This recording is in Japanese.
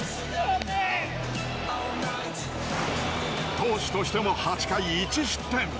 投手としても８回１失点。